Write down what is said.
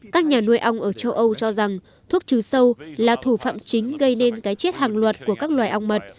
các nhà nuôi ong ở châu âu cho rằng thuốc trừ sâu là thủ phạm chính gây nên cái chết hàng loạt của các loài ong mật